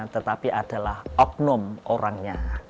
tetapi adalah oknum orangnya